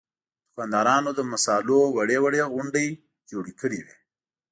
دوکاندارانو د مصالحو وړې وړې غونډۍ جوړې کړې وې.